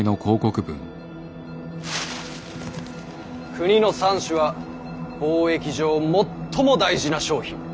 「国の蚕種は貿易上最も大事な商品。